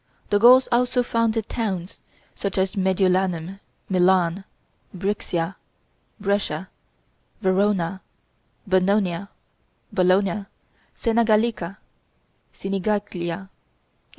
The Gauls also founded towns, such as Mediolanum (Milan), Brixia (Brescia), Verona, Bononia (Bologna), Sena Gallica (Sinigaglia), &c.